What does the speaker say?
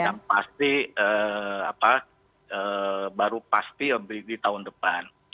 yang pasti baru pasti yang diberi di tahun depan